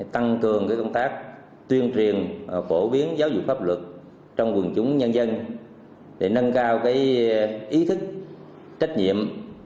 tăng cường công tác tuyên truyền phổ biến giáo dục pháp luật trong quần chúng nhân dân để nâng cao ý thức trách nhiệm